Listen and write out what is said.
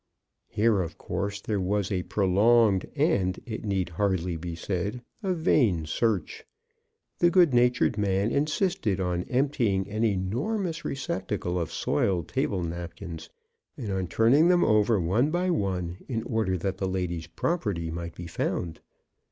Here, of course, there was a prolonged and, it need hardly be said, a vain search. The good natured man insisted on emptying an enormous receptacle of soiled table napkins, and on turn ing them over one by one, in order that the lady's property might be found.